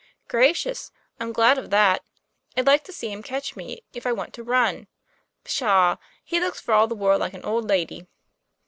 ;< Gracious! I'm glad of that. I'd like to see him catch me, if I want to run. Pshaw! he looks for all the world like an old lady."